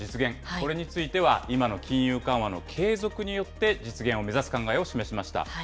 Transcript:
これについては、今の金融緩和の継続によって実現を目指す考えを示しました。